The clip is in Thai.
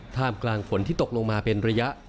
ท่ามกลางฝนที่ตกลงมาเป็นระยะ